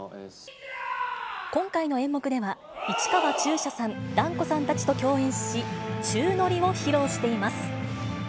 今回の演目では、市川中車さん、團子さんたちと共演し、宙乗りを披露しています。